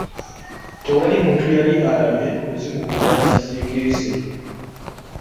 Tewali muntu yali alabye muzimu gubeera na kisiikirize.